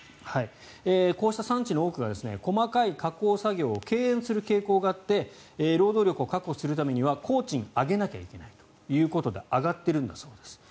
こうした産地の多くが細かい加工作業を敬遠する動きがあって労働力を確保するためには工賃を上げなきゃいけないということで上がっているんだそうです。